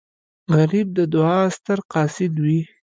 غریب د دعا ستر قاصد وي